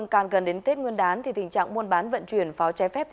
càng gần đến tết nguyên đán thì tình trạng muôn bán vận chuyển pháo trái phép